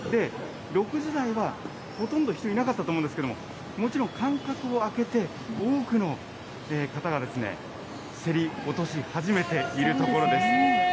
６時台はほとんど人、いなかったと思うんですけど、もちろん、間隔を空けて、多くの方が競り落とし始めているところです。